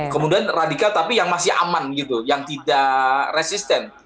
kemudian radikal tapi yang masih aman gitu yang tidak resisten